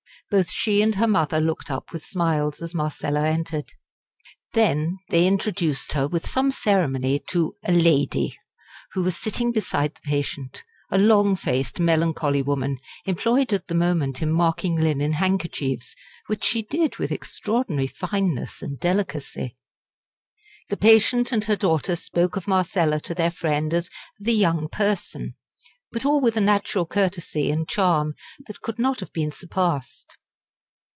Both she and her mother looked up with smiles as Marcella entered. Then, they introduced her with some ceremony to a "lady," who was sitting beside the patient, a long faced melancholy woman employed at the moment in marking linen handkerchiefs, which she did with extraordinary fineness and delicacy. The patient and her daughter spoke of Marcella to their friend as "the young person," but all with a natural courtesy and charm that could not have been surpassed.